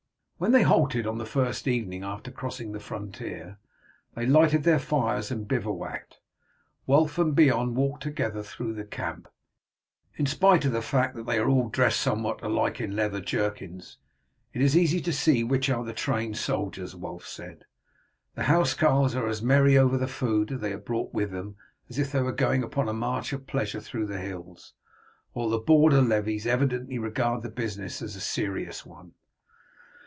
When they halted on the first evening after crossing the frontier they lighted their fires and bivouacked. Wulf and Beorn walked together through the camp. "In spite of the fact that they are all dressed somewhat alike in leather jerkins, it is easy to see which are the trained soldiers," Wulf said. "The housecarls are as merry over the food they have brought with them as if they were going upon a march of pleasure through the hills, while the border levies evidently regard the business as a serious one."